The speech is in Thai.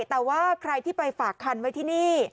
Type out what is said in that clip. แต่ว่าใครที่ไปฝากคันไว้ที่นี่